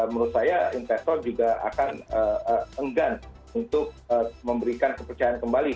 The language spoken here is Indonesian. menurut saya investor juga akan enggan untuk memberikan kepercayaan kembali